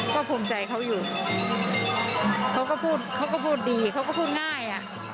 ก็ภูมิใจเขาอยู่เขาก็พูดดีเขาก็พูดง่าย